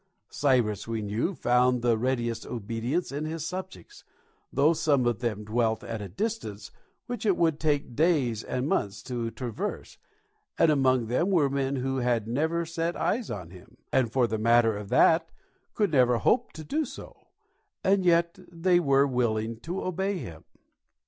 Cyrus, we know, found the readiest obedience in his subjects, though some of them dwelt at a distance which it would take days and months to traverse, and among them were men who had never set eyes on him, and for the matter of that could never hope to do so, and yet they were willing to obey him.